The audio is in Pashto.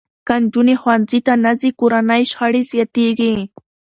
که نجونې ښوونځي ته نه ځي، کورني شخړې زیاتېږي.